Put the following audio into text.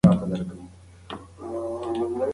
ایا غواړئ چې د بلې موضوع لپاره هم ورته جملې برابرې کړم؟